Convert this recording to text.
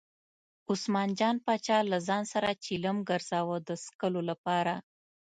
عثمان جان پاچا له ځان سره چلم ګرځاوه د څکلو لپاره.